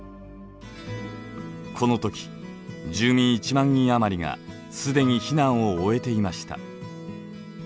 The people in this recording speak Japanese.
このとき住民１万人余りが既に避難を終えていました。